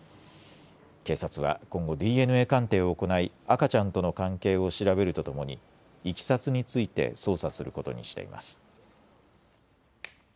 警察は今後、ＤＮＡ鑑定を行い赤ちゃんとの関係を調べるとともにいきさつについて捜査することにしています。